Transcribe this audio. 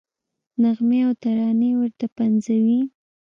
نغمې او ترانې ورته پنځوي.